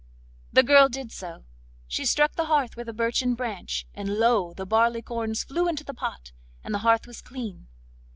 The girl did so. She struck the hearth with the birchen branch, and lo! the barleycorns flew into the pot, and the hearth was clean.